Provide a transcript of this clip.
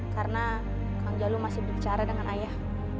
karena kang jalu masih berbicara dengan ayah